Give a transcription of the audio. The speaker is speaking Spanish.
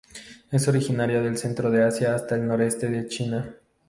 Es originaria del centro de Asia hasta el noroeste de China.